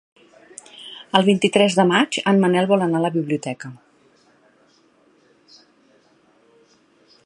El vint-i-tres de maig en Manel vol anar a la biblioteca.